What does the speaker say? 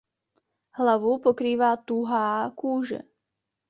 Hlavu pokrývá tuhá kůže.